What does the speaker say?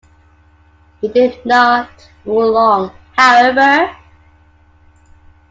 He did not rule long, however.